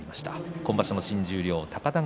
今場所の新十両高田川